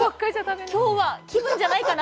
今日は気分じゃないかな？